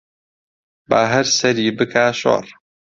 با هەر سەری بکا شۆڕ